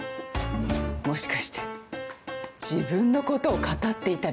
もしかして自分のことを語っていたりして。